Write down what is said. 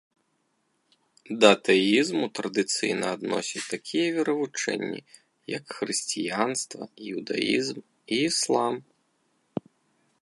Да тэізму традыцыйна адносяць такія веравучэнні, як хрысціянства, іўдаізм і іслам.